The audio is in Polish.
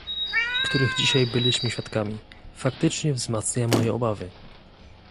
których dzisiaj byliśmy świadkami - faktycznie wzmacnia moje obawy